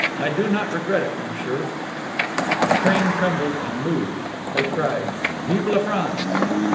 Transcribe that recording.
I do not regret it, monsieur." The train trembled and moved. They cried, "Vive la France!